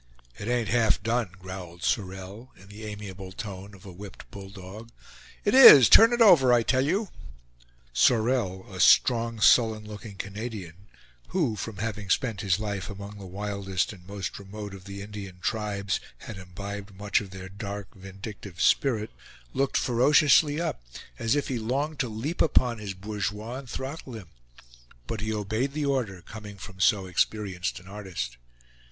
"It ain't half done," growled Sorel, in the amiable tone of a whipped bull dog. "It is. Turn it over, I tell you!" Sorel, a strong, sullen looking Canadian, who from having spent his life among the wildest and most remote of the Indian tribes, had imbibed much of their dark, vindictive spirit, looked ferociously up, as if he longed to leap upon his bourgeois and throttle him; but he obeyed the order, coming from so experienced an artist.